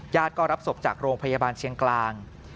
ก็รับศพจากโรงพยาบาลเชียงกลาง